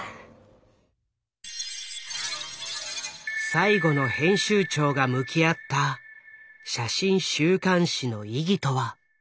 最後の編集長が向き合った写真週刊誌の意義とは？